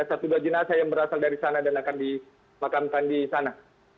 satu dua jenazah yang berasal dari sana dan akan dimakamkan di sana